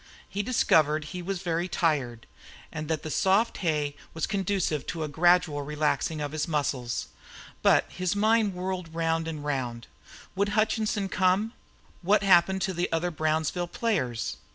He discovered he was very tired, and that the soft hay was conducive to a gradual relaxing of his muscles. But his mind whirled round and round. Would Hutchinson come? What had happened to the other Brownsville players?